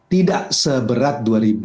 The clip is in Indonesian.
tidak seberat dua ribu dua